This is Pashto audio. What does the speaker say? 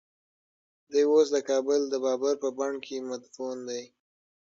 دی اوس د کابل د بابر په بڼ کې مدفون دی.